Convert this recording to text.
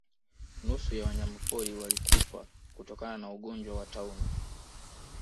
Nusu ya wanyamapori walikufa kutokana na ugonjwa wa tauni